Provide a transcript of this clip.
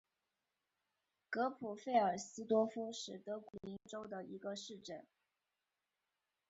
格普费尔斯多夫是德国图林根州的一个市镇。